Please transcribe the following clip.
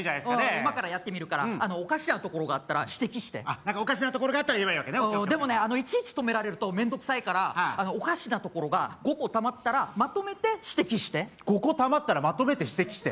今からやってみるからおかしなところがあったら指摘して何かおかしなところがあったら言えばいいわけねでもねいちいち止められると面倒くさいからおかしなところが５個たまったらまとめて指摘して「５個たまったらまとめて指摘して」